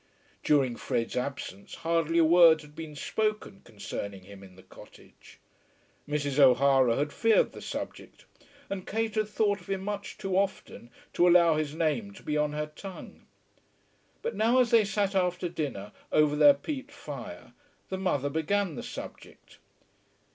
During Fred's absence hardly a word had been spoken concerning him in the cottage. Mrs. O'Hara had feared the subject, and Kate had thought of him much too often to allow his name to be on her tongue. But now as they sat after dinner over their peat fire the mother began the subject.